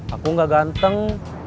aku gak ganteng